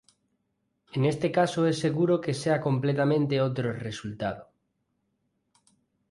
En este caso es seguro que sea completamente otro resultado.